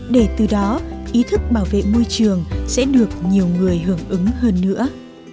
để từ đó ý thức bảo vệ môi trường sẽ được nhiều người hưởng ứng hơn nữa